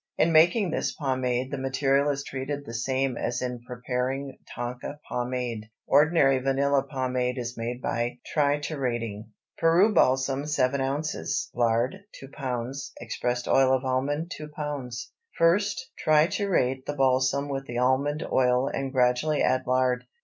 In making this pomade the material is treated the same as in preparing tonka pomade. Ordinary vanilla pomade is made by triturating: Peru balsam 7 oz. Lard 2 lb. Expressed oil of almond 2 lb. First triturate the balsam with the almond oil and gradually add the lard.